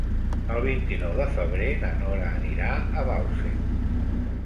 El vint-i-nou de febrer na Nora anirà a Bausen.